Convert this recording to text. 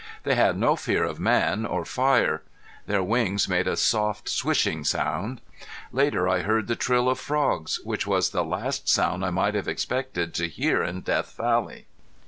They had no fear of man or fire. Their wings made a soft swishing sound. Later I heard the trill of frogs, which was the last sound I might have expected to hear in Death Valley.